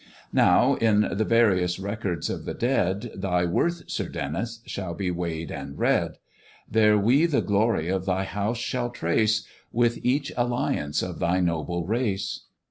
Now, in the various records of the dead, Thy worth, Sir Denys, shall be weigh'd and read; There we the glory of thy house shall trace, With each alliance of thy noble race.